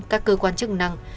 các cơ quan chức năng